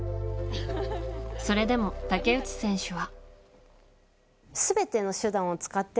それでも竹内選手は。